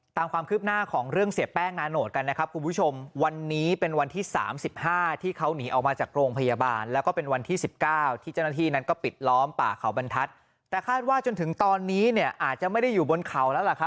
ตามความคืบหน้าของเรื่องเสียแป้งนาโนตกันนะครับคุณผู้ชมวันนี้เป็นวันที่สามสิบห้าที่เขาหนีออกมาจากโรงพยาบาลแล้วก็เป็นวันที่สิบเก้าที่เจ้าหน้าที่นั้นก็ปิดล้อมป่าเขาบรรทัศน์แต่คาดว่าจนถึงตอนนี้เนี่ยอาจจะไม่ได้อยู่บนเขาแล้วล่ะครับ